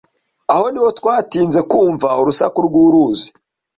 Aho niho twatinze kumva urusaku rw'uruzi